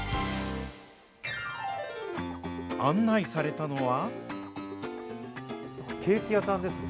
案内されたのは。